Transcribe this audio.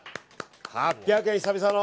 ８００円、久々の。